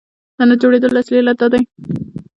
د نه جوړېدلو اصلي علت دا دی.